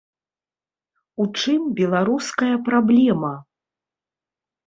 У чым беларуская праблема?